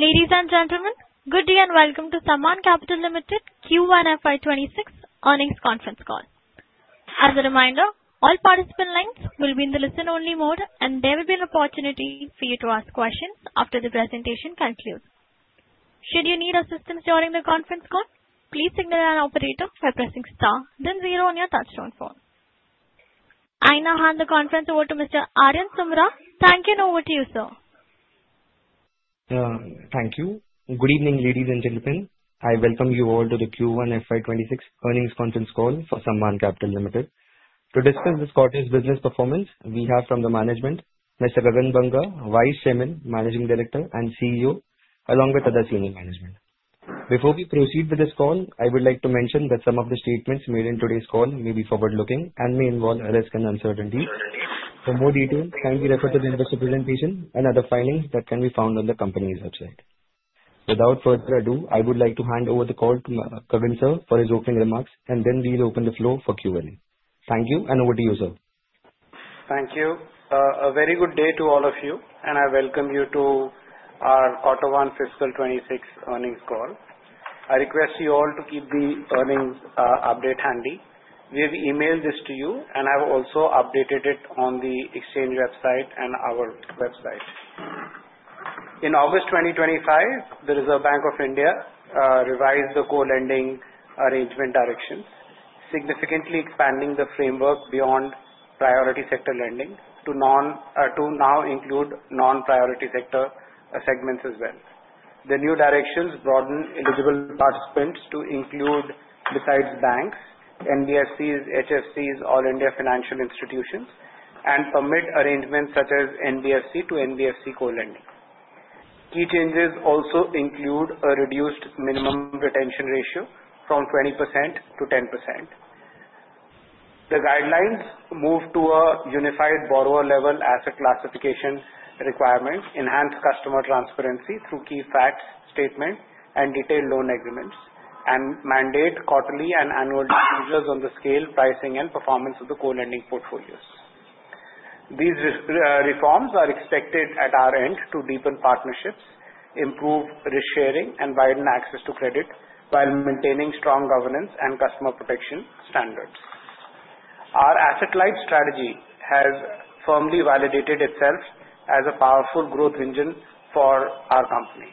Ladies and gentlemen, good day and welcome to Sammaan Capital Limited, Q1 FY 2026 Earnings Conference Call. As a reminder, all participant lines will be in the listen-only mode, and there will be an opportunity for you to ask questions after the presentation concludes. Should you need assistance during the conference call, please signal an operator by pressing star, then zero on your touchtone phone. I now hand the conference over to Mr. Aryan Sumra. Thank you and over to you, sir. Thank you. Good evening, ladies and gentlemen. I welcome you all to the Q1 FY 2026 Earnings Conference Call for Sammaan Capital Limited. To discuss this quarter's business performance, we have from the management Mr. Gagan Banga, Vice Chairman, Managing Director, and CEO, along with other senior management. Before we proceed with this call, I would like to mention that some of the statements made in today's call may be forward-looking and may involve a risk and uncertainty. For more details, kindly refer to the Vocabulary Limitation and other findings that can be found on the company's website. Without further ado, I would like to hand over the call to Gagan, sir, for his opening remarks, and then we'll open the floor for Q&A. Thank you and over to you, sir. Thank you. A very good day to all of you, and I welcome you to our Quarter 1 Fiscal 2026 Earnings Call. I request you all to keep the earnings update handy. We have emailed this to you, and I have also updated it on the exchange website and our website. In August 2025, the Reserve Bank of India revised the co-lending arrangement directions, significantly expanding the framework beyond priority sector lending to now include non-priority sector segments as well. The new directions broaden eligible participants to include besides banks, NBFCs, HFCs, all India financial institutions, and permit arrangements such as NBFC to NBFC co-lending. Key changes also include a reduced minimum retention ratio from 20% to 10%. The guidelines move to a unified borrower-level asset classification requirements, enhance customer transparency through key facts statements and detailed loan agreements, and mandate quarterly and annual reviews on the scale, pricing, and performance of the co-lending portfolios. These reforms are expected at our end to deepen partnerships, improve risk sharing, and widen access to credit while maintaining strong governance and customer protection standards. Our asset-light strategy has firmly validated itself as a powerful growth engine for our company.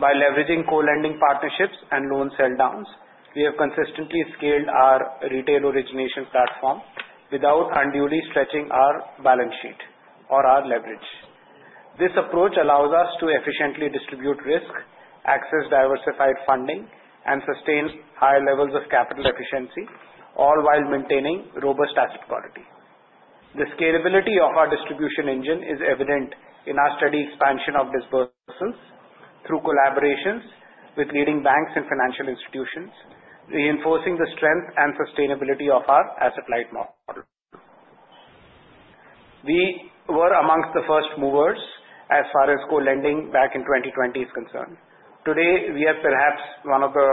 By leveraging co-lending partnerships and loan sell-downs, we have consistently scaled our retail origination platform without unduly stretching our balance sheet or our leverage. This approach allows us to efficiently distribute risk, access diversified funding, and sustain high levels of capital efficiency, all while maintaining robust asset quality. The scalability of our distribution engine is evident in our steady expansion of this process through collaborations with leading banks and financial institutions, reinforcing the strength and sustainability of our asset life model. We were amongst the first movers as far as co-lending back in 2020 is concerned. Today, we are perhaps one of the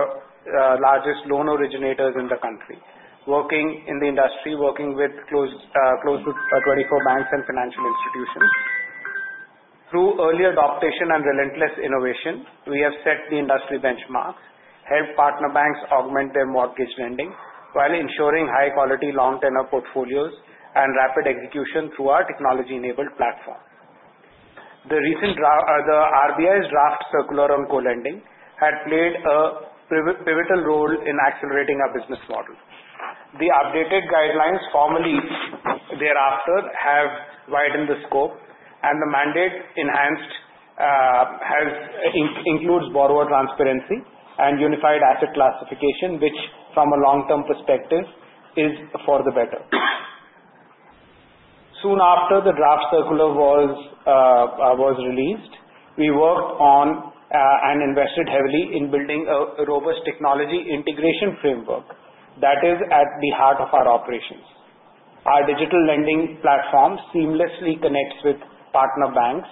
largest loan originators in the country, working in the industry, working with close to 24 banks and financial institutions. Through early adaptation and relentless innovation, we have set the industry benchmarks, helped partner banks augment their mortgage lending while ensuring high-quality long-tenor portfolios and rapid execution through our technology-enabled platform. The recent RBI's draft circular on co-lending had played a pivotal role in accelerating our business model. The updated guidelines formally thereafter have widened the scope, and the mandate enhanced includes borrower transparency and unified asset classification, which from a long-term perspective is for the better. Soon after the draft circular was released, we worked on and invested heavily in building a robust technology integration framework that is at the heart of our operations. Our digital lending platform seamlessly connects with partner banks,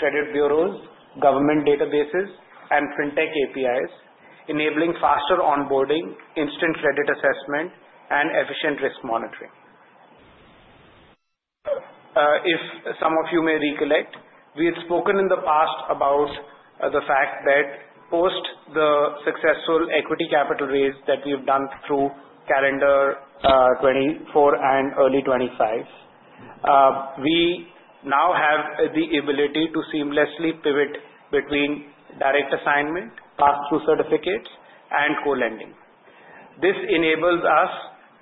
credit bureaus, government databases, and fintech APIs, enabling faster onboarding, instant credit assessment, and efficient risk monitoring. If some of you may recollect, we've spoken in the past about the fact that post the successful equity capital raise that we've done through calendar 2024 and early 2025, we now have the ability to seamlessly pivot between direct assignment, pass-through certificates, and co-lending. This enables us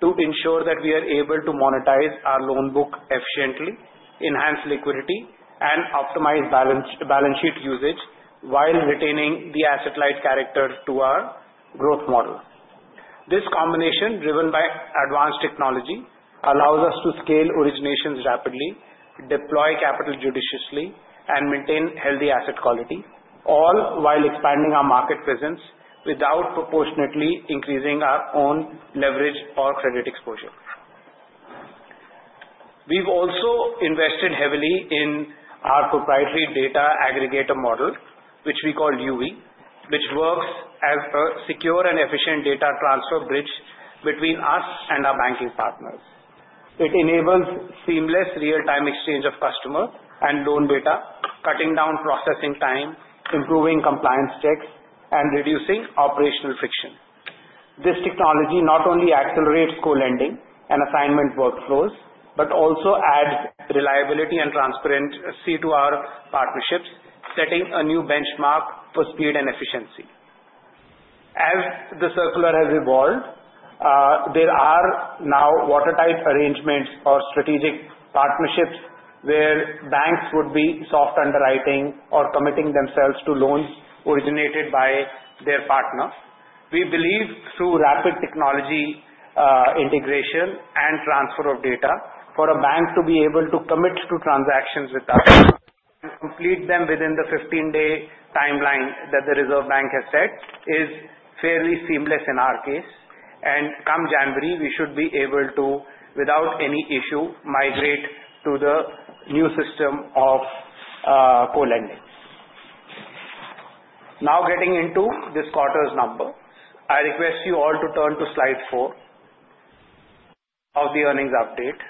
to ensure that we are able to monetize our loan book efficiently, enhance liquidity, and optimize balance sheet usage while retaining the asset life character to our growth model. This combination, driven by advanced technology, allows us to scale originations rapidly, deploy capital judiciously, and maintain healthy asset quality, all while expanding our market presence without proportionately increasing our own leverage or credit exposure. We've also invested heavily in our proprietary data aggregator model, which we call YUBI, which works as a secure and efficient data transfer bridge between us and our banking partners. It enables seamless real-time exchange of customer and loan data, cutting down processing time, improving compliance checks, and reducing operational friction. This technology not only accelerates core lending and assignment workflows, but also adds reliability and transparency to our partnerships, setting a new benchmark for speed and efficiency. As the circular has evolved, there are now watertight arrangements or strategic partnerships where banks would be soft underwriting or committing themselves to loans originated by their partners. We believe through rapid technology integration and transfer of data, for a bank to be able to commit to transactions with us, to complete them within the 15-day timeline that the Reserve Bank has set, is fairly seamless in our case. Come January, we should be able to, without any issue, migrate to the new system of core lending. Now getting into this quarter's numbers, I request you all to turn to slide four of the earnings update.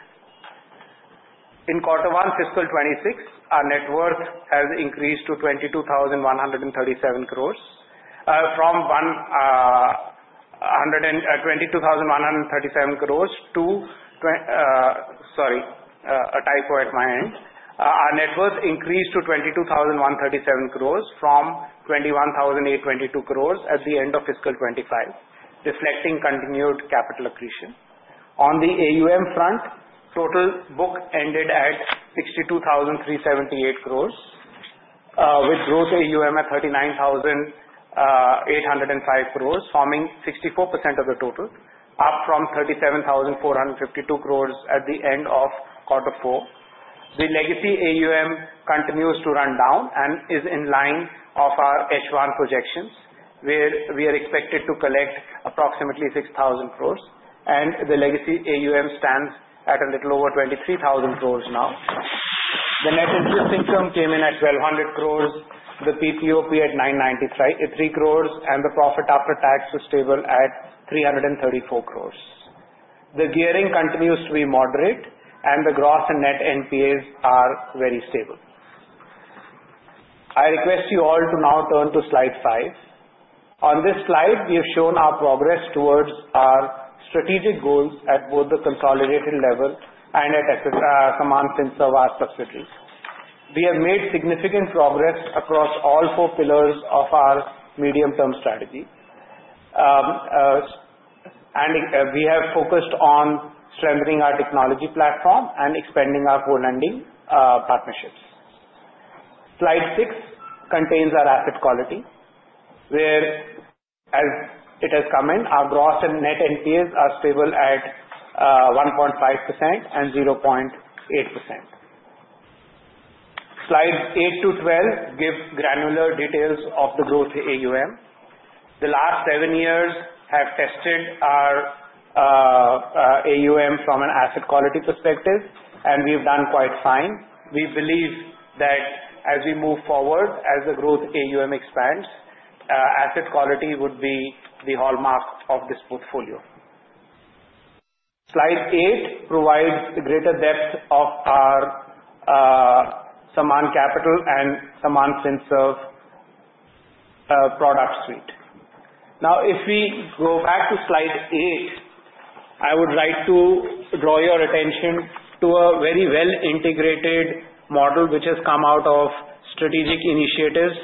In quarter one, fiscal 2026, our net worth has increased to 22,137 crores, from 21,822 crores at the end of fiscal 2025, reflecting continued capital accretion. On the AUM front, total book ended at 62,378 crores, with gross AUM at 39,805 crores, forming 64% of the total, up from 37,452 crores at the end of quarter four. The legacy AUM continues to run down and is in line with our H1 projections, where we are expected to collect approximately 6,000 crores, and the legacy AUM stands at a little over 23,000 crores now. The net interest income came in at 1,200 crores, the PPOP at 993 crores, and the profit after tax was stable at 334 crores. The gearing continues to be moderate, and the gross and net NPA ratios are very stable. I request you all to now turn to slide five. On this slide, we have shown our progress towards our strategic goals at both the consolidated level and at command prints of our subsidiaries. We have made significant progress across all four pillars of our medium-term strategy, and we have focused on strengthening our technology platform and expanding our core lending partnerships. Slide six contains our asset quality, where as it has come in, our gross and net NPA ratios are stable at 1.5% and 0.8%. Slides eight to twelve give granular details of the growth AUM. The last seven years have tested our AUM from an asset quality perspective, and we've done quite fine. We believe that as we move forward, as the growth AUM expands, asset quality would be the hallmark of this portfolio. Slide eight provides the greater depth of our Sammaan Capital and Sammaan Finserve Product Suite. Now, if we go back to slide eight, I would like to draw your attention to a very well-integrated model which has come out of strategic initiatives,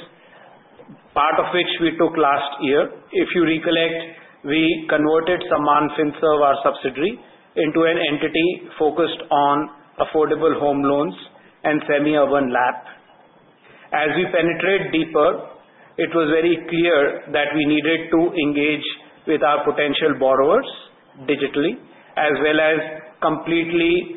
part of which we took last year. If you recollect, we converted Sammaan Finserve, our subsidiary, into an entity focused on affordable home loans and semi-urban LAP. As we penetrated deeper, it was very clear that we needed to engage with our potential borrowers digitally, as well as completely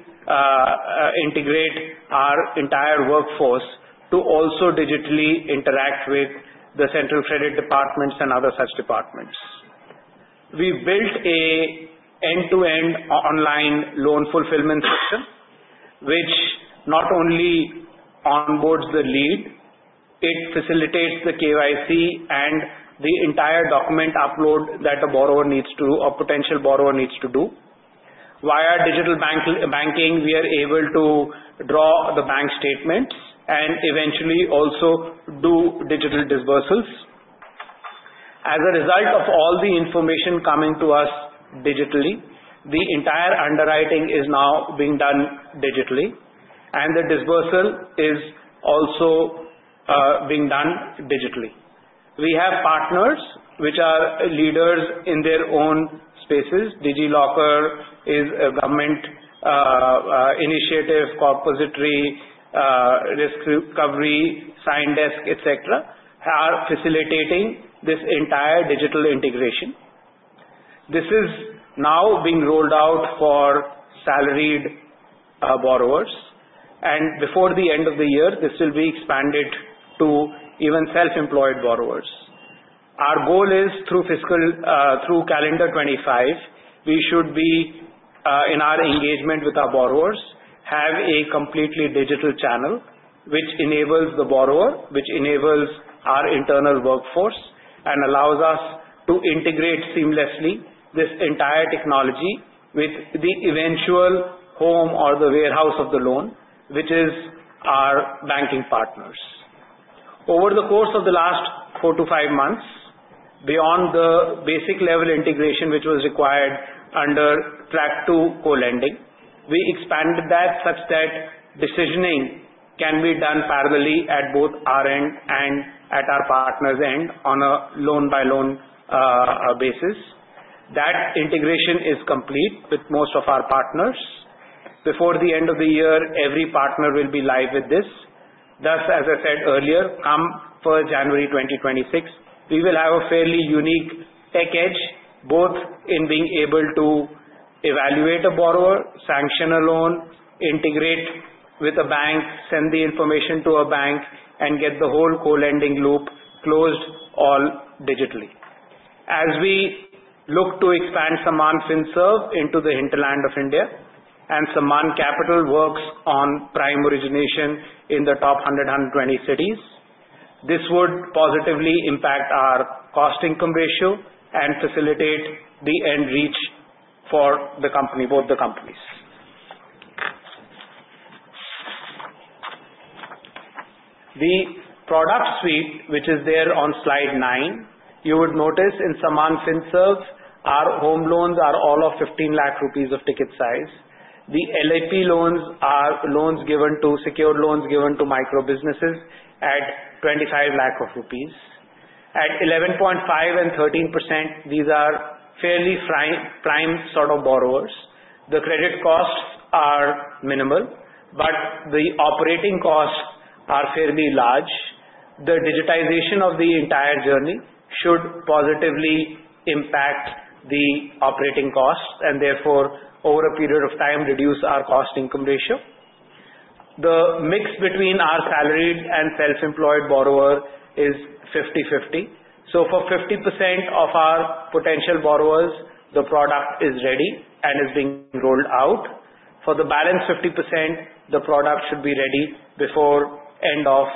integrate our entire workforce to also digitally interact with the central credit departments and other such departments. We built an End-to-End Online Loan Fulfillment system, which not only onboards the lead, it facilitates the KYC and the entire document upload that a borrower needs to, a potential borrower needs to do. Via Digital Banking, we are able to draw the bank statements and eventually also do digital disbursals. As a result of all the information coming to us digitally, the entire underwriting is now being done digitally, and the disbursal is also being done digitally. We have partners which are leaders in their own spaces. DigiLocker is a government initiative, CORPOSITORY, Riskcovry, SignDesk, etc., are facilitating this entire digital integration. This is now being rolled out for salaried borrowers, and before the end of the year, this will be expanded to even self-employed borrowers. Our goal is through fiscal, through calendar 2025, we should be, in our engagement with our borrowers, have a completely digital channel which enables the borrower, which enables our internal workforce, and allows us to integrate seamlessly this entire technology with the eventual home or the warehouse of the loan, which is our banking partners. Over the course of the last four to five months, beyond the basic level integration which was required under Track 2 co-lending, we expanded that such that decisioning can be done parallelly at both our end and at our partner's end on a loan-by-loan basis. That integration is complete with most of our partners. Before the end of the year, every partner will be live with this. Thus, as I said earlier, come 1st January 2026, we will have a fairly unique tech edge, both in being able to evaluate a borrower, sanction a loan, integrate with a bank, send the information to a bank, and get the whole core lending loop closed all digitally. As we look to expand Sammaan Finserve into the hinterland of India, and Sammaan Capital works on prime origination in the top 100, 120 cities, this would positively impact our cost-income ratio and facilitate the end reach for the company, both the companies. The product suite, which is there on slide nine, you would notice in Sammaan Finserve our home loans are all of 15 lakh rupees of ticket size. The LAP loans are loans given to secured loans given to micro businesses at 25 lakhs rupees. At 11.5% and 13%, these are fairly prime sort of borrowers. The credit costs are minimal, but the operating costs are fairly large. The digitization of the entire journey should positively impact the operating costs and therefore over a period of time reduce our cost-income ratio. The mix between our salaried and self-employed borrower is 50-50. For 50% of our potential borrowers, the product is ready and is being rolled out. For the balanced 50%, the product should be ready before end of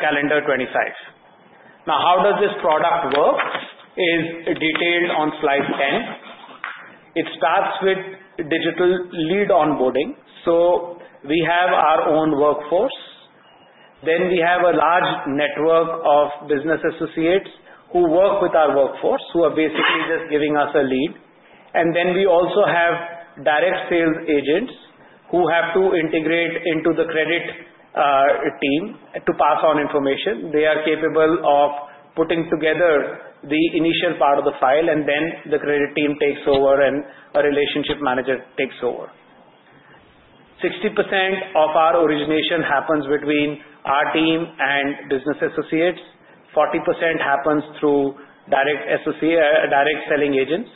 calendar 2025. How this product works is detailed on slide 10. It starts with Digital lead onboarding. We have our own workforce. We have a large network of business associates who work with our workforce, who are basically just giving us a lead. We also have direct sales agents who have to integrate into the credit team to pass on information. They are capable of putting together the initial part of the file, and then the credit team takes over and a relationship manager takes over. 60% of our origination happens between our team and business associates. 40% happens through direct selling agents.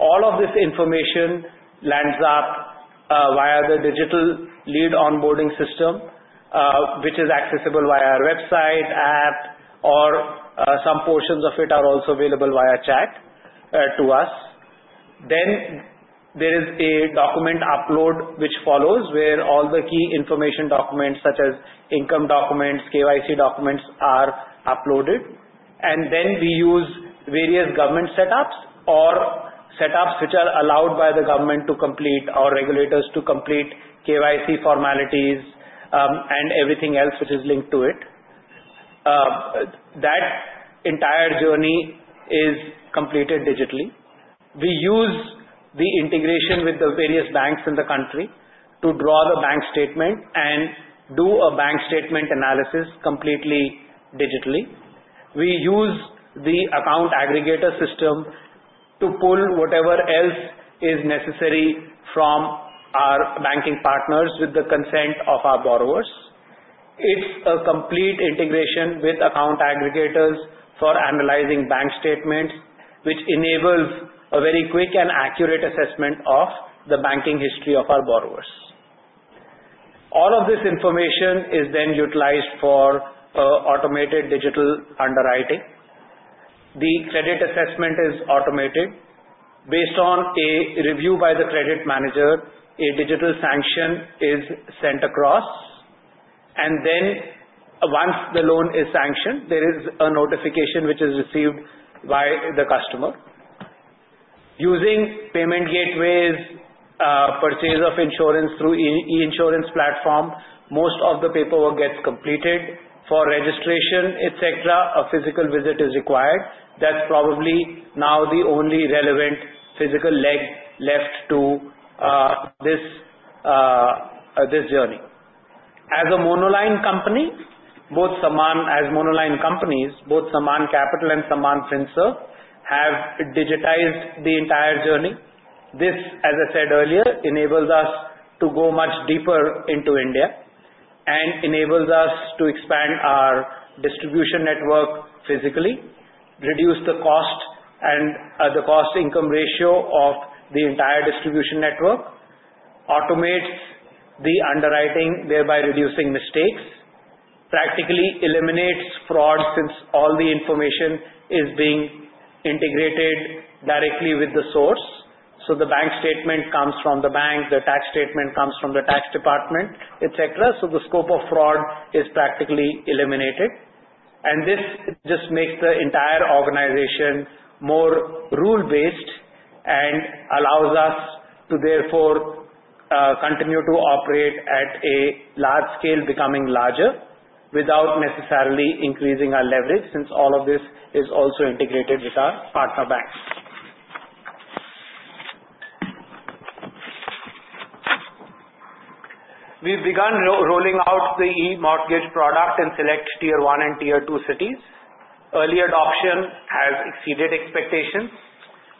All of this information lands up via the digital lead onboarding system, which is accessible via our website app, or some portions of it are also available via chat to us. There is a document upload which follows where all the key information documents, such as income documents, KYC documents, are uploaded. We use various government setups or setups which are allowed by the government to complete or regulators to complete KYC formalities and everything else which is linked to it. That entire journey is completed digitally. We use the integration with the various banks in the country to draw the bank statement and do a bank statement analysis completely digitally. We use the account aggregator system to pull whatever else is necessary from our banking partners with the consent of our borrowers. It's a complete integration with account aggregators for analyzing bank statements, which enables a very quick and accurate assessment of the banking history of our borrowers. All of this information is then utilized for automated digital underwriting. The credit assessment is automated. Based on a review by the credit manager, a digital sanction is sent across. Once the loan is sanctioned, there is a notification which is received by the customer. Using payment gateways, purchase of insurance through e-insurance platform, most of the paperwork gets completed. For registration, etc., a physical visit is required. That's probably now the only relevant physical leg left to this journey. As a monoline company, both Sammaan as monoline companies, both Sammaan Capital and Sammaan Finserve have digitized the entire journey. This, as I said earlier, enables us to go much deeper into India and enables us to expand our distribution network physically, reduce the cost and the cost-income ratio of the entire distribution network, automate the underwriting, thereby reducing mistakes, practically eliminates fraud since all the information is being integrated directly with the source. The bank statement comes from the bank, the tax statement comes from the tax department, etc., so the scope of fraud is practically eliminated. This just makes the entire organization more rule-based and allows us to therefore continue to operate at a large scale, becoming larger, without necessarily increasing our leverage since all of this is also integrated with our partner banks. We've begun rolling out the e-mortgage product in select Tier 1 and Tier 2 cities. Early adoption has exceeded expectations.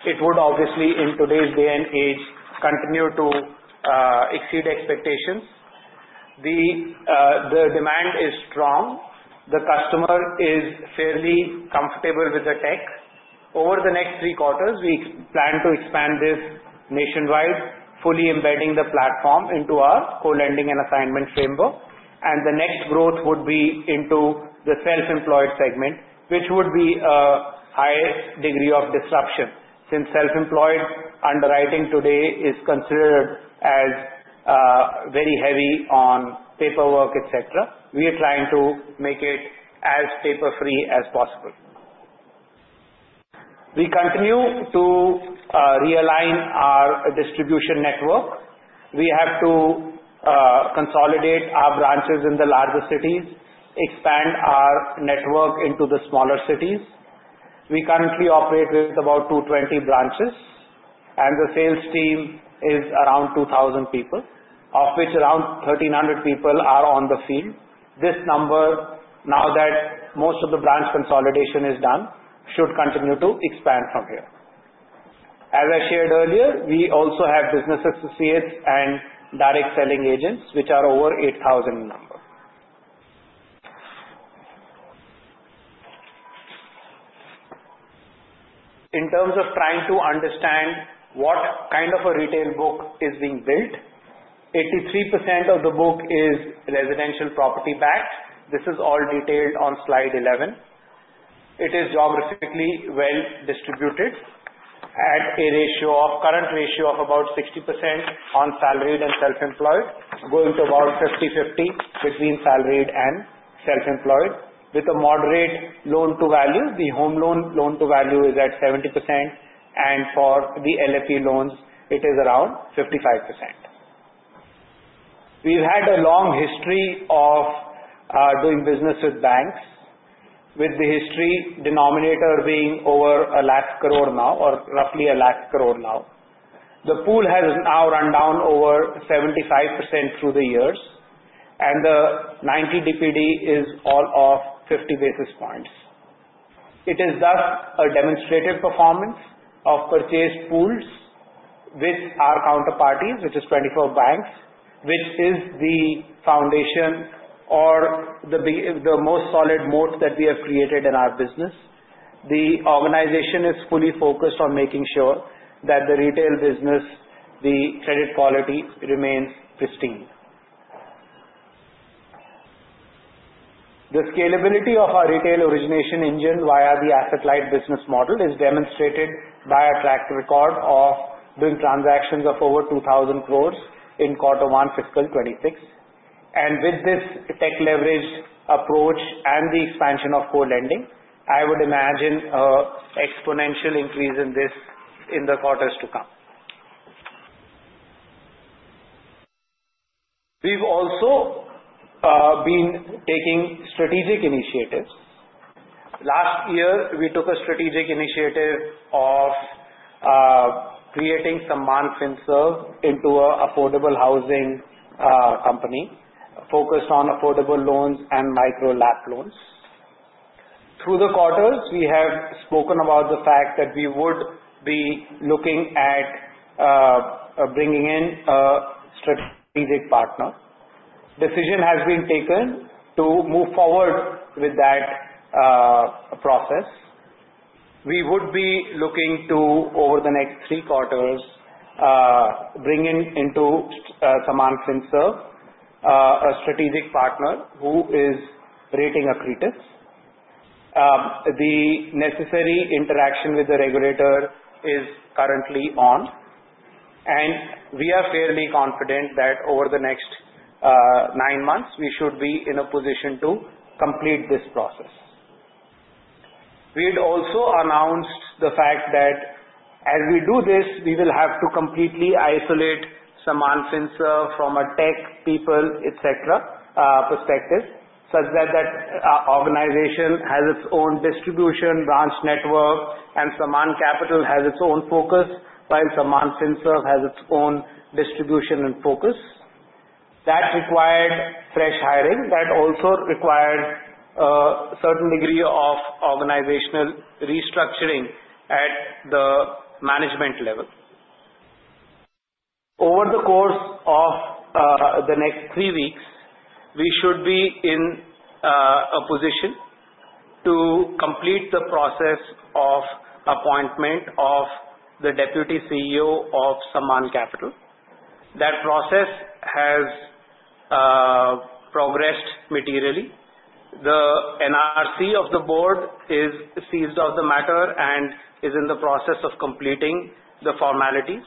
It would obviously, in today's day and age, continue to exceed expectations. The demand is strong. The customer is fairly comfortable with the tech. Over the next three quarters, we plan to expand this nationwide, fully embedding the platform into our core lending and assignment framework. The next growth would be into the self-employed segment, which would be a high degree of disruption since self-employed underwriting today is considered as very heavy on paperwork, etc. We are trying to make it as paper-free as possible. We continue to realign our distribution network. We have to consolidate our branches in the larger cities, expand our network into the smaller cities. We currently operate with about 220 branches, and the sales team is around 2,000 people, of which around 1,300 people are on the field. This number, now that most of the branch consolidation is done, should continue to expand from here. As I shared earlier, we also have business associates and direct selling agents, which are over 8,000 in number. In terms of trying to understand what kind of a retail book is being built, 83% of the book is residential property backed. This is all detailed on slide 11. It is geographically well distributed at a current ratio of about 60% on salaried and self-employed, going to about 50-50 between salaried and self-employed. With a moderate loan-to-value, the home loan loan-to-value is at 70%, and for the LAP loans, it is around 55%. We've had a long history of doing business with banks, with the history denominator being over 1 lakh crores now, or roughly 1 lakh crores now. The pool has now run down over 75% through the years, and the 90 DPD is all of 50 basis points. It is thus a demonstrative performance of purchased pools with our counterparties, which is 24 banks, which is the foundation or the most solid moat that we have created in our business. The organization is fully focused on making sure that the retail business, the credit quality remains pristine. The scalability of our retail origination engine via the asset life business model is demonstrated by a track record of doing transactions of over 2,000 crores in quarter one, fiscal 2026. With this tech leverage approach and the expansion of core lending, I would imagine an exponential increase in this in the quarters to come. We've also been taking strategic initiatives. Last year, we took a strategic initiative of creating Sammaan Finserve into an affordable housing company focused on affordable loans and micro LAP loans. Through the quarters, we have spoken about the fact that we would be looking at bringing in a strategic partner. The decision has been taken to move forward with that process. We would be looking to, over the next three quarters, bring in into Sammaan Finserve a strategic partner who is rating accretive. The necessary interaction with the regulator is currently on, and we are fairly confident that over the next nine months, we should be in a position to complete this process. We'd also announce the fact that as we do this, we will have to completely isolate Sammaan Finserve from a tech, people, etc., perspective such that our organization has its own distribution branch network, and Sammaan Capital has its own focus, while Sammaan Finserve has its own distribution and focus. That required fresh hiring. That also required a certain degree of organizational restructuring at the management level. Over the course of the next three weeks, we should be in a position to complete the process of appointment of the Deputy CEO of Sammaan Capital. That process has progressed materially. The NRC of the board is seized of the matter and is in the process of completing the formalities.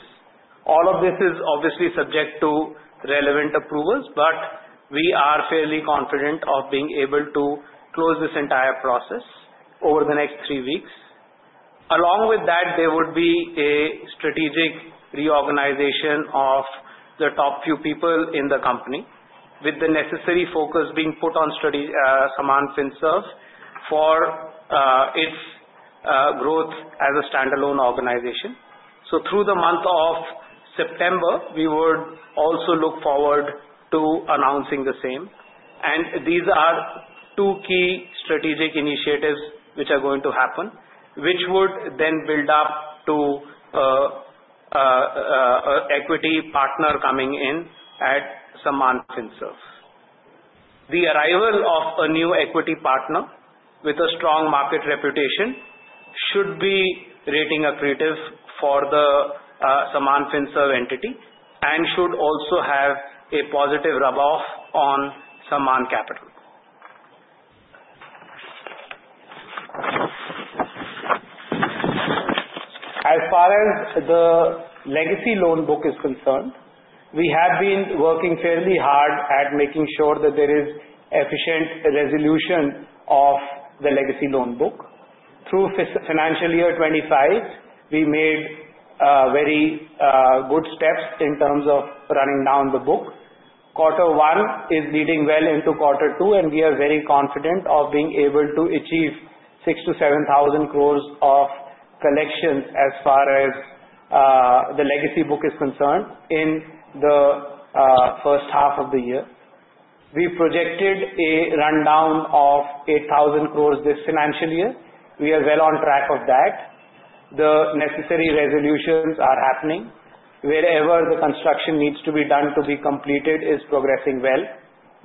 All of this is obviously subject to relevant approvals, but we are fairly confident of being able to close this entire process over the next three weeks. Along with that, there would be a strategic reorganization of the top few people in the company, with the necessary focus being put on Sammaan Finserve for its growth as a standalone organization. Through the month of September, we would also look forward to announcing the same. These are two key strategic initiatives which are going to happen, which would then build up to an equity partner coming in at Sammaan Finserve. The arrival of a new equity partner with a strong market reputation should be rating accretive for the Sammaan Finserve entity and should also have a positive rub-off on Sammaan Capital. As far as the legacy loan book is concerned, we have been working fairly hard at making sure that there is efficient resolution of the legacy loan book. Through financial year 2025, we made very good steps in terms of running down the book. Quarter one is leading well into quarter two, and we are very confident of being able to achieve 6,000 crores-7,000 crores of collection as far as the legacy book is concerned in the first half of the year. We projected a rundown of 8,000 crores this financial year. We are well on track of that. The necessary resolutions are happening. Wherever the construction needs to be completed is progressing well.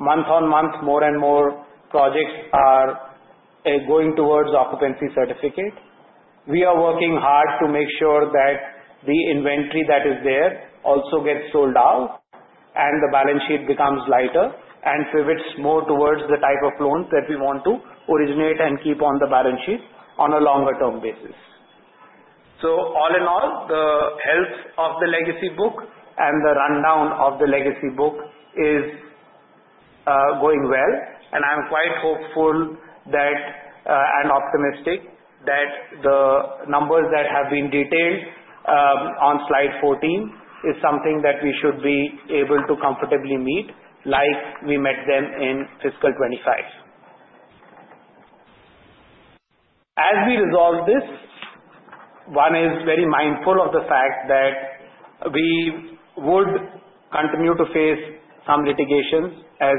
Month on month, more and more projects are going towards occupancy certificate. We are working hard to make sure that the inventory that is there also gets sold out and the balance sheet becomes lighter and pivots more towards the type of loans that we want to originate and keep on the balance sheet on a longer-term basis. All in all, the health of the legacy loan book and the rundown of the legacy loan book is going well, and I'm quite hopeful and optimistic that the numbers that have been detailed on slide 14 are something that we should be able to comfortably meet like we met them in fiscal 2025. As we resolve this, one is very mindful of the fact that we would continue to face some litigations as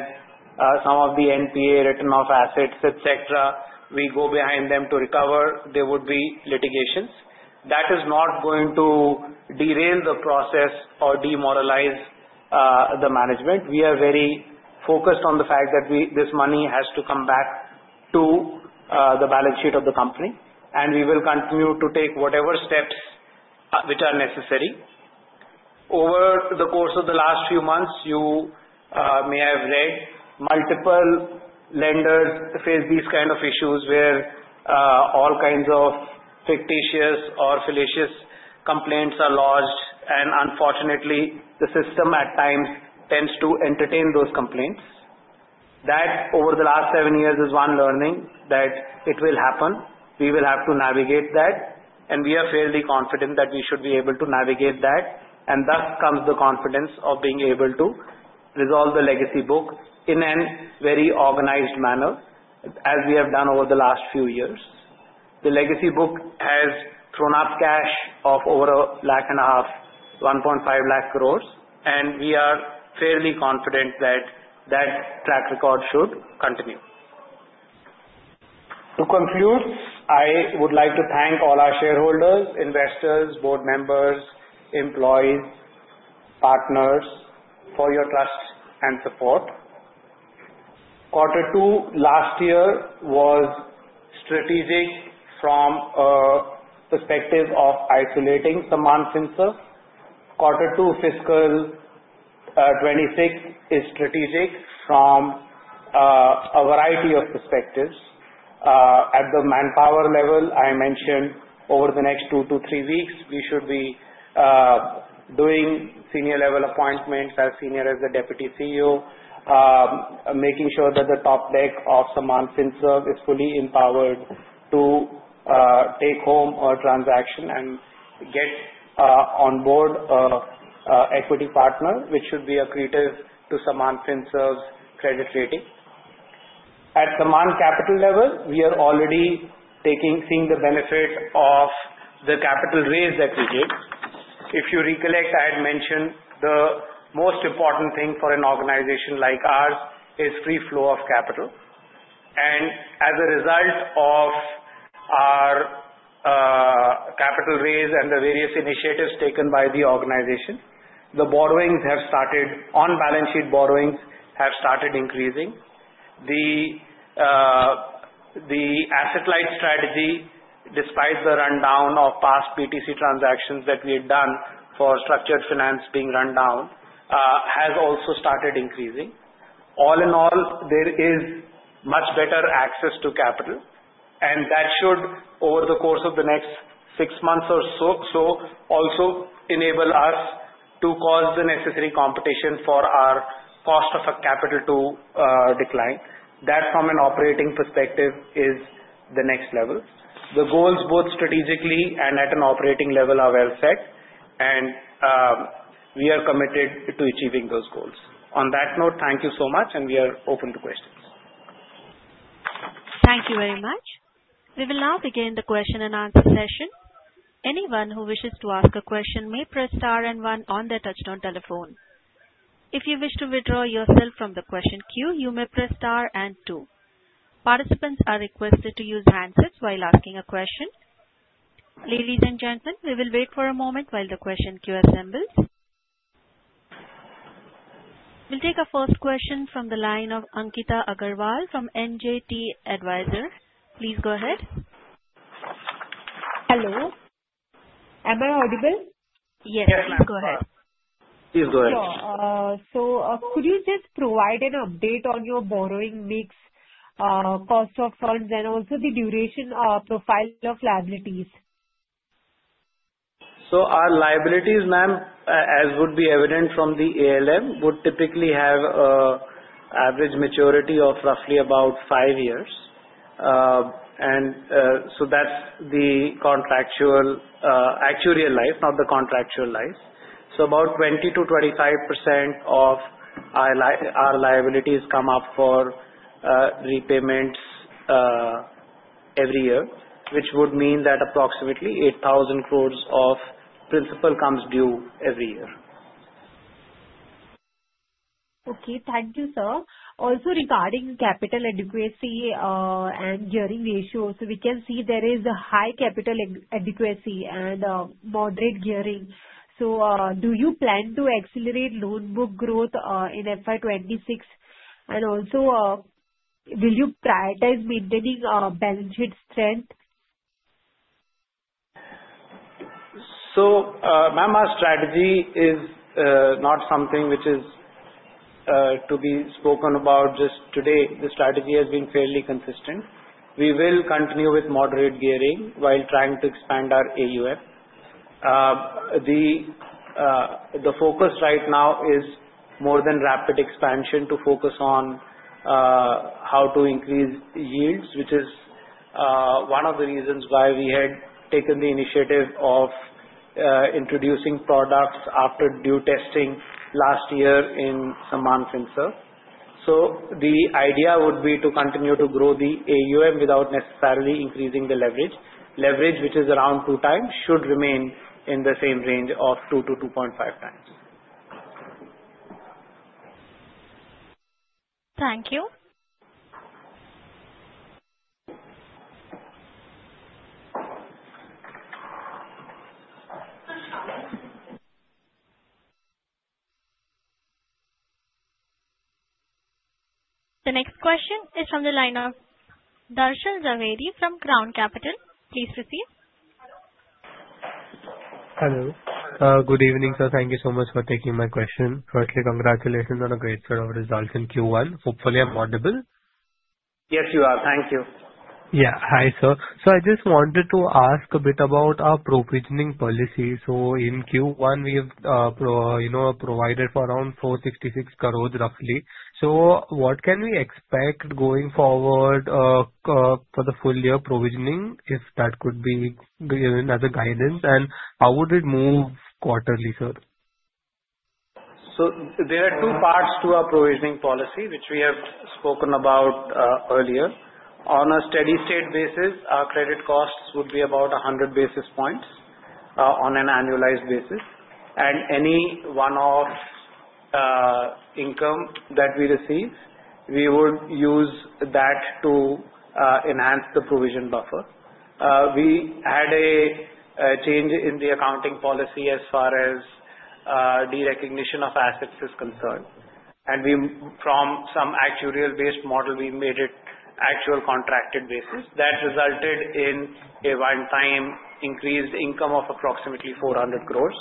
some of the NPA written-off assets, etc. We go behind them to recover. There would be litigations. That is not going to derail the process or demoralize the management. We are very focused on the fact that this money has to come back to the balance sheet of the company, and we will continue to take whatever steps which are necessary. Over the course of the last few months, you may have read multiple lenders face these kinds of issues where all kinds of fictitious or fallacious complaints are lodged, and unfortunately, the system at times tends to entertain those complaints. Over the last seven years, one learning is that it will happen. We will have to navigate that, and we are fairly confident that we should be able to navigate that. Thus comes the confidence of being able to resolve the legacy loan book in a very organized manner as we have done over the last few years. The legacy loan book has thrown up cash of over 1.5 lakh crores, and we are fairly confident that that track record should continue. To conclude, I would like to thank all our shareholders, investors, board members, employees, and partners for your trust and support. Quarter two last year was strategic from a perspective of isolating Sammaan Finserve. Quarter two, fiscal 2026, is strategic from a variety of perspectives. At the manpower level, I mentioned over the next two to three weeks, we should be doing senior level appointments, as senior as the Deputy CEO, making sure that the top leg of Sammaan Finserve is fully empowered to take home a transaction and get on board an equity partner, which should be accretive to Sammaan Finserve credit rating. At Sammaan Capital level, we are already seeing the benefit of the capital raise that we did. If you recollect, I had mentioned the most important thing for an organization like ours is free flow of capital. As a result of our capital raise and the various initiatives taken by the organization, the borrowings have started on-balance sheet borrowings have started increasing. The asset light strategy, despite the rundown of past PTC transactions that we had done for structured finance being rundown, has also started increasing. All in all, there is much better access to capital, and that should, over the course of the next six months or so, also enable us to cause the necessary competition for our cost of capital to decline. That from an operating perspective is the next level. The goals, both strategically and at an operating level, are well set, and we are committed to achieving those goals. On that note, thank you so much, and we are open to questions. Thank you very much. We will now begin the question and answer session. Anyone who wishes to ask a question may press star and one on their touch-tone telephone. If you wish to withdraw yourself from the question queue, you may press star and two. Participants are requested to use handsets while asking a question. Ladies and gentlemen, we will wait for a moment while the question queue assembles. We'll take our first question from the line of Ankita Agarwal from NJT Advisors. Please go ahead. Hello. Am I audible? Yes, ma'am. Go ahead. Please go ahead. Sure. Could you just provide an update on your borrowing mix, cost of funds, and also the duration profile of liabilities? Our liabilities, ma'am, as would be evident from the ALM, would typically have an average maturity of roughly about five years. That's the actuarial life, not the contractual life. About 20%-25% of our liabilities come up for repayments every year, which would mean that approximately 8,000 crores of principal comes due every year. Okay. Thank you, sir. Also, regarding capital adequacy and gearing ratios, we can see there is a high capital adequacy and moderate gearing. Do you plan to accelerate loan book growth in FY 2026? Also, will you prioritize maintaining a balance sheet strength? Ma'am, our strategy is not something which is to be spoken about just today. The strategy has been fairly consistent. We will continue with moderate gearing while trying to expand our AUM. The focus right now is more than rapid expansion to focus on how to increase yields, which is one of the reasons why we had taken the initiative of introducing products after due testing last year in Sammaan Finserve. The idea would be to continue to grow the AUM without necessarily increasing the leverage. Leverage, which is around 2x, should remain in the same range of 2x-2.5x. Thank you. The next question is from the line of Darshil Jhaveri from Crown Capital. Please proceed. Hello. Good evening, sir. Thank you so much for taking my question. Firstly, congratulations on a great set of results in Q1. Hopefully, I'm audible. Yes, you are. Thank you. Yeah. Hi, sir. I just wanted to ask a bit about our provisioning policy. In Q1, we have provided for around 466 crores roughly. What can we expect going forward for the full year provisioning if that could be given as a guidance? How would it move quarterly, sir? There are two parts to our provisioning policy, which we have spoken about earlier. On a steady-state basis, our credit costs would be about 100 basis points on an annualized basis. Any one-off income that we receive, we would use that to enhance the provision buffer. We had a change in the accounting policy as far as derecognition of assets is concerned. We, from some actuarial-based model, made it actual contracted basis. That resulted in a one-time increased income of approximately 400 crores,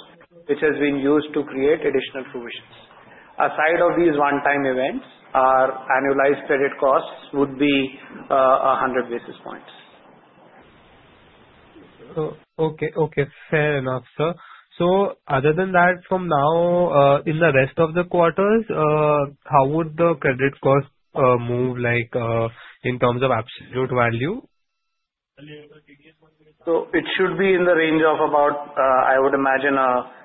which has been used to create additional provisions. Aside of these one-time events, our annualized credit costs would be 100 basis points. Okay. Fair enough, sir. Other than that, from now in the rest of the quarters, how would the credit cost move like in terms of absolute value? It should be in the range of about 100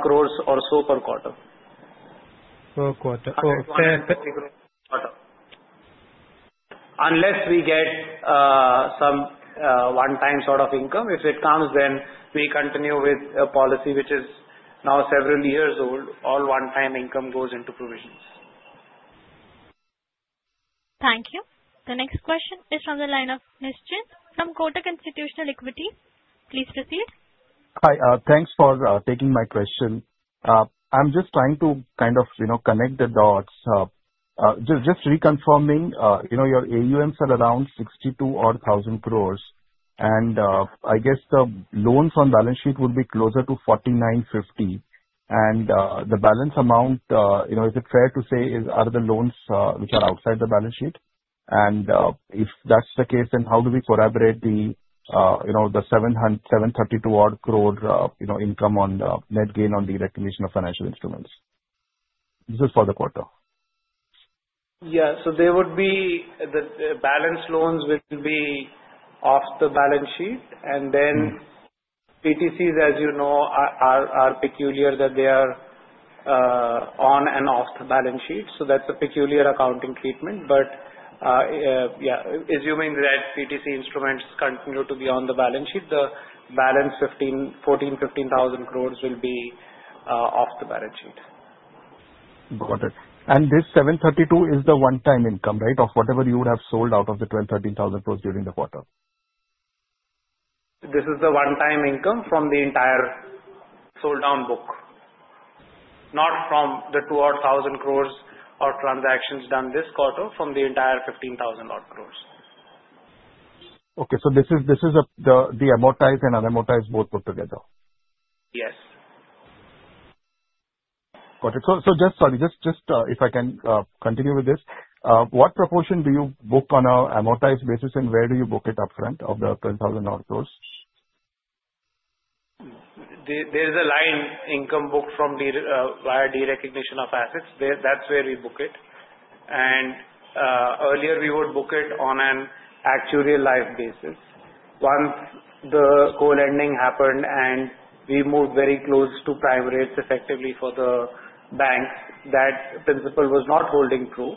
crores or so per quarter. Per quarter. Unless we get some one-time sort of income, if it comes, then we continue with a policy which is now several years old. All one-time income goes into provisions. Thank you. The next question is from the line of Nischint from Kotak Institutional Equities. Please proceed. Hi. Thanks for taking my question. I'm just trying to kind of connect the dots. Just reconfirming, your AUMs are around 62,000-odd crores. I guess the loans on balance sheet would be closer to 49,050 crores. The balance amount, is it fair to say, are the loans which are outside the balance sheet? If that's the case, how do we corroborate the 732-odd crores income on net gain on the recognition of financial instruments? This is for the quarter. There would be the balance loans which will be off the balance sheet. PTCs, as you know, are peculiar in that they are on and off the balance sheet. That's a peculiar accounting treatment. Assuming that PTC instruments continue to be on the balance sheet, the balance 14,000 crores-15,000 crores will be off the balance sheet. Got it. This 732 is the one-time income, right, of whatever you would have sold out of the 12,000 crores, 13,000 crores during the quarter? This is the one-time income from the entire sold-out book, not from the 2,000-odd crores transactions done this quarter, from the entire 15,000-odd crores. Okay. Is this the amortized and unamortized both put together? Yes. Got it. Sorry, if I can continue with this, what proportion do you book on an amortized basis and where do you book it upfront of the 10,000-odd crores? There's a line income booked from the via derecognition of assets. That's where we book it. Earlier, we would book it on an actuarial life basis. Once the co-lending happened and we moved very close to prime rates, effectively for the banks, that principal was not holding true.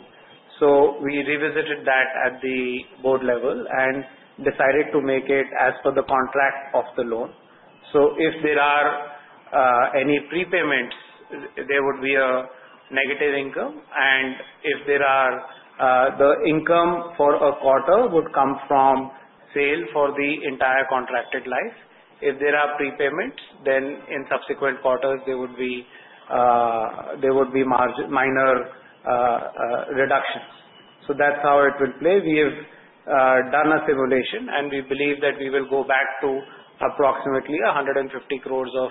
We revisited that at the board level and decided to make it as per the contract of the loan. If there are any prepayments, there would be a negative income. The income for a quarter would come from sale for the entire contracted life. If there are prepayments, then in subsequent quarters, there would be minor reductions. That's how it would play. We have done a simulation, and we believe that we will go back to approximately 150 crores of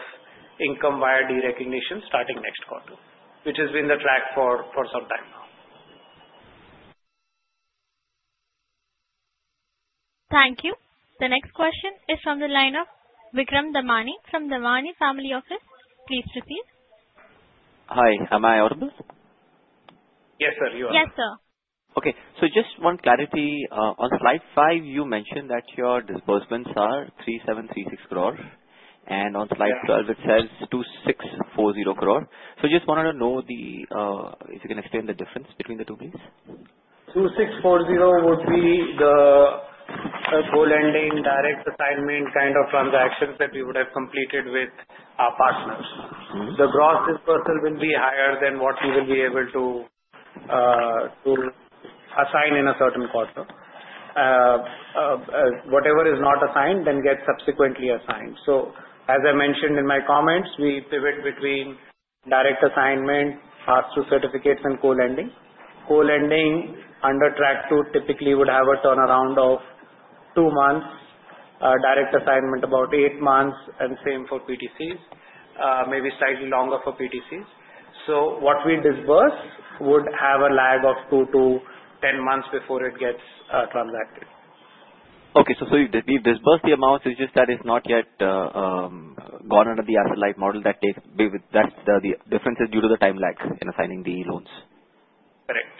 income via derecognition starting next quarter, which has been the track for some time now. Thank you. The next question is from the line of Vikram Damani from Damani Family Office. Please proceed. Hi. Am I audible? Yes, sir, you are. Yes, sir. Okay. Just one clarity. On slide five, you mentioned that your disbursements are 3,736 crores. On slide 12, it says 2,640 crores. I just wanted to know if you can explain the difference between the two, please. 2,640 crores would be the core lending direct assignment kind of transactions that we would have completed with our partners. The gross disbursal will be higher than what we will be able to assign in a certain quarter. Whatever is not assigned then gets subsequently assigned. As I mentioned in my comments, we pivot between direct assignment, pass-through certificates, and core lending. Core lending under track two typically would have a turnaround of two months. Direct assignment about eight months, and same for PTCs, maybe slightly longer for PTCs. What we disburse would have a lag of two to 10 months before it gets transacted. Okay. We've disbursed the amounts. It's just that it's not yet gone under the asset life model. That difference is due to the time lag in assigning the loans. Correct.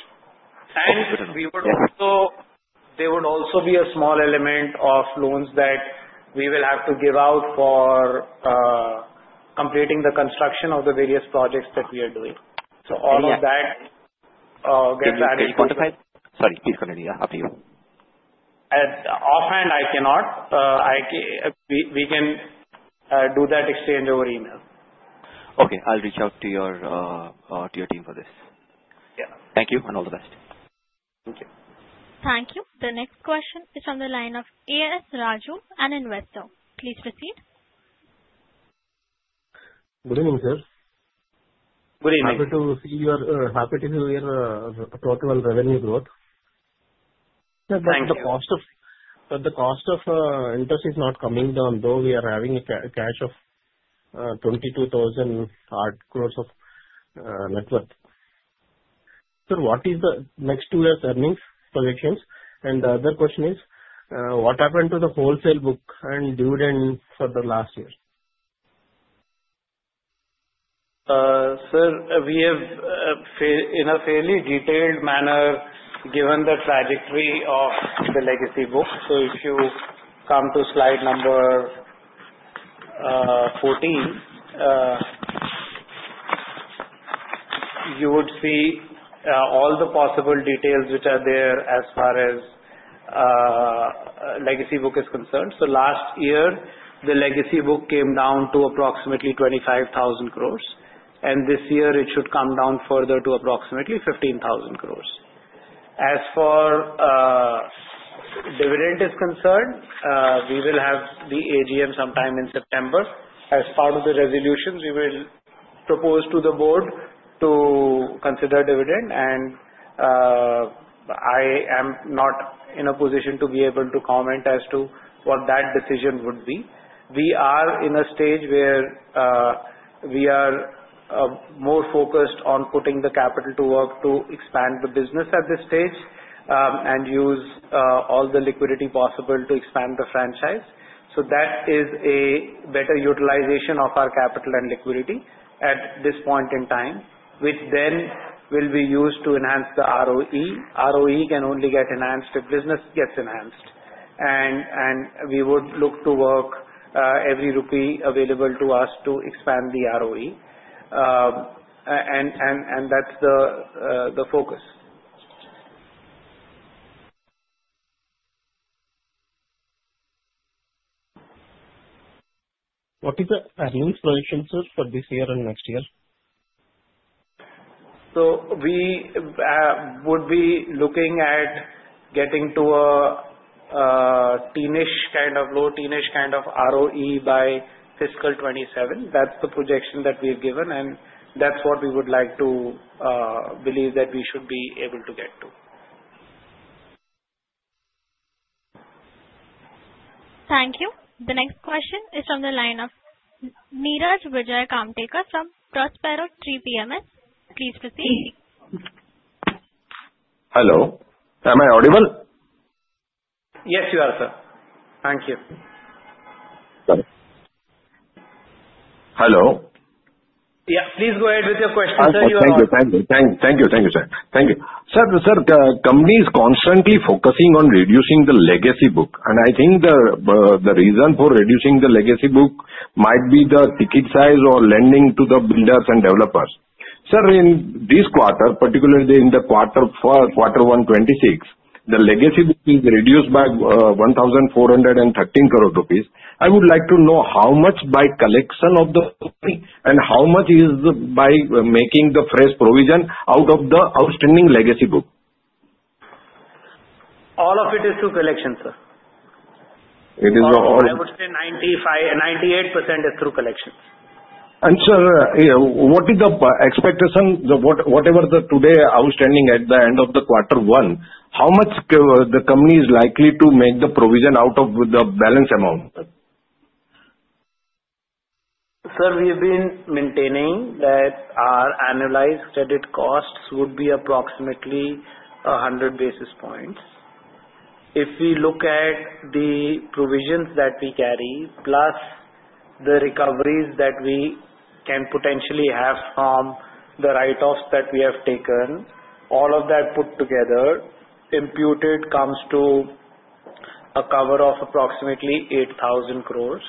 There would also be a small element of loans that we will have to give out for completing the construction of the various projects that we are doing. All of that gets added. Sorry, please continue. Yeah, after you. Offhand, I cannot. We can do that exchange over email. Okay, I'll reach out to your team for this. Yeah. Thank you and all the best. Thank you. Thank you. The next question is from the line of A.S. Raju, an investor. Please proceed. Good evening, sir. Good evening. Happy to hear your talk about revenue growth. Thank you. The cost of interest is not coming down, though we are having a cash of 22,000 crores of net worth. Sir, what is the next two years' earnings projections? The other question is, what happened to the wholesale book and dividend for the last year? Sir, we have in a fairly detailed manner given the trajectory of the legacy loan book. If you come to slide number 14, you would see all the possible details which are there as far as the legacy loan book is concerned. Last year, the legacy loan book came down to approximately 25,000 crores. This year, it should come down further to approximately 15,000 crores. As far as dividend is concerned, we will have the AGM sometime in September. As part of the resolutions, we will propose to the board to consider dividend. I am not in a position to be able to comment as to what that decision would be. We are in a stage where we are more focused on putting the capital to work to expand the business at this stage and use all the liquidity possible to expand the franchise. That is a better utilization of our capital and liquidity at this point in time, which then will be used to enhance the ROE. ROE can only get enhanced if business gets enhanced. We would look to work every rupee available to us to expand the ROE. That's the focus. What is the earnings projection, sir, for this year and next year? We would be looking at getting to a kind of low-teenish kind of ROE by fiscal 2027. That's the projection that we have given, and that's what we would like to believe that we should be able to get to. Thank you. The next question is from the line of Niraj Vijay Kamtekar from ProsperoTree PMS. Please proceed. Hello. Am I audible? Yes, you are, sir. Thank you. Hello. Yeah, please go ahead with your question, sir. You are audible. Thank you. Thank you, sir. The company is constantly focusing on reducing the legacy loan book. I think the reason for reducing the legacy loan book might be the ticket size or lending to the builders and developers. Sir, in this quarter, particularly in the quarter for quarter 1 2026, the legacy loan book is reduced by 1,413 crores rupees. I would like to know how much by collection of the book and how much is by making the fresh provision out of the outstanding legacy loan book? All of it is through collection, sir. It is all. I would say 98% is through collections. Sir, what is the expectation? Whatever the today outstanding at the end of the quarter 1, how much the company is likely to make the provision out of the balance amount? Sir, we have been maintaining that our annualized credit costs would be approximately 100 basis points. If we look at the provisions that we carry, plus the recoveries that we can potentially have from the write-offs that we have taken, all of that put together, imputed comes to a cover of approximately 8,000 crores.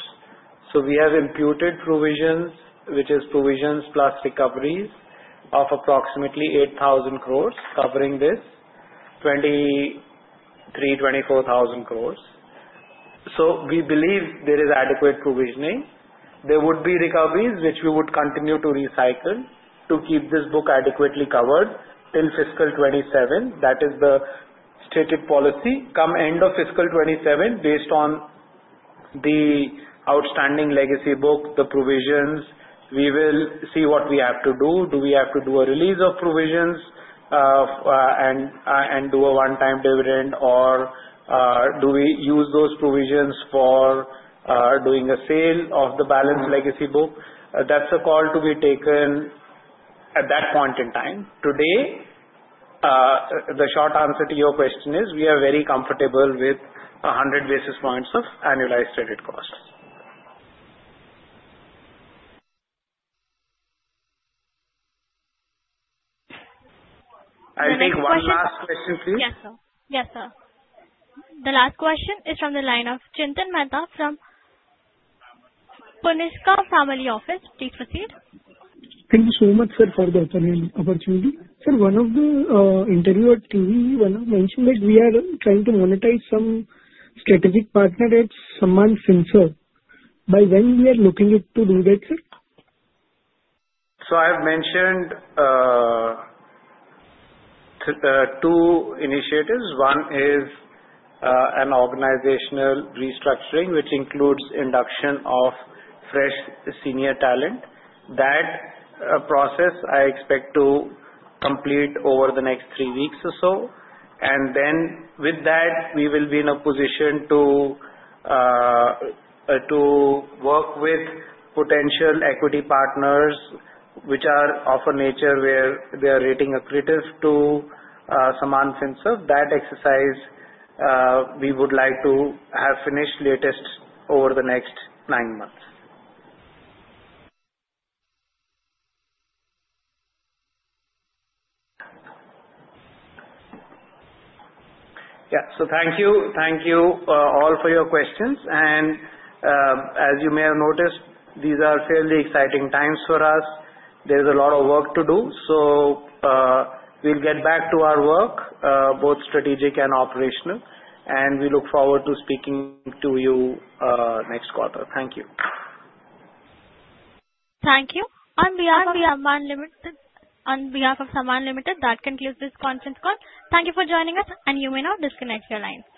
We have imputed provisions, which is provisions plus recoveries of approximately 8,000 crores, covering this 23,000 crores, INR 24,000 crore. We believe there is adequate provisioning. There would be recoveries, which we would continue to recycle to keep this book adequately covered till fiscal 2027. That is the stated policy. Come end of fiscal 2027, based on the outstanding legacy loan book, the provisions, we will see what we have to do. Do we have to do a release of provisions and do a one-time dividend, or do we use those provisions for doing a sale of the balance legacy loan book? That's a call to be taken at that point in time. Today, the short answer to your question is we are very comfortable with 100 basis points of annualized credit costs. I'll take one last question, please. Yes, sir. The last question is from the line of Chintan Mehta from Puniska Family Office. Please proceed. Thank you so much, sir, for the opportunity. Sir, in one of the interviews at QE, one of them mentioned that we are trying to monetize some strategic partner at Sammaan Finserve. By when are we looking to do that, sir? I have mentioned two initiatives. One is an organizational restructuring, which includes induction of fresh senior talent. That process I expect to complete over the next three weeks or so. With that, we will be in a position to work with potential equity partners, which are of a nature where they are rating accretive to Sammaan Finserve. That exercise, we would like to have finished latest over the next nine months. Thank you. Thank you all for your questions. As you may have noticed, these are fairly exciting times for us. There's a lot of work to do. We'll get back to our work, both strategic and operational. We look forward to speaking to you next quarter. Thank you. Thank you. On behalf of Sammaan Capital Limited, that concludes this conference call. Thank you for joining us, and you may now disconnect your lines.